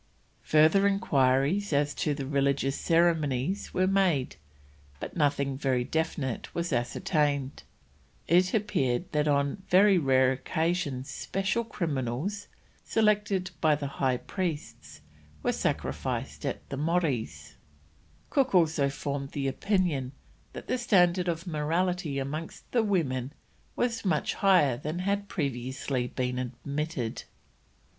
Further enquiries as to the religious ceremonies were made, but nothing very definite was ascertained; it appeared that on very rare occasions special criminals, selected by the high priest, were sacrificed at the Moris. Cook also formed the opinion that the standard of morality amongst the women was much higher than had previously been admitted.